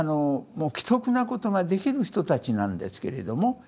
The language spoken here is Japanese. もう奇特なことができる人たちなんですけれども。